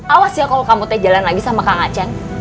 awas ya kalau kamu jalan lagi sama kang aceh